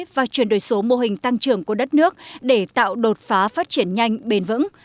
và chuyển đổi số mô hình tăng trưởng của đất nước để tạo đột phá phát triển nhanh bền vững